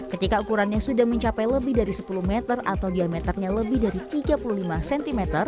ketika ukurannya sudah mencapai lebih dari sepuluh meter atau diameternya lebih dari tiga puluh lima cm